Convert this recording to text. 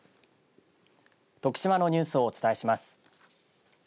徳島のニュースをお伝えします。